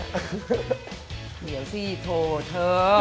เดี๋ยวสิโทรเธอ